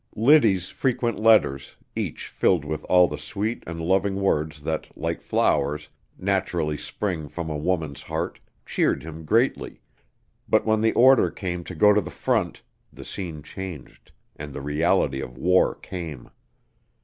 Liddy's frequent letters, each filled with all the sweet and loving words that, like flowers, naturally spring from a woman's heart, cheered him greatly; but when the order came to go to the front, the scene changed, and the reality of war came.